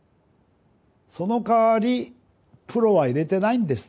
その代わりプロは入れてないんですと。